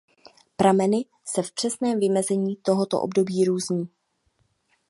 Prameny se v přesném vymezení tohoto období různí.